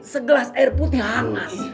segelas air putih hangat